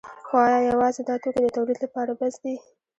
خو ایا یوازې دا توکي د تولید لپاره بس دي؟